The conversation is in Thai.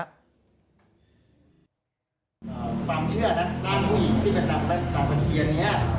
ความเชื่อนะต้านผู้หญิงที่กระดับทางประเทียนเนี้ย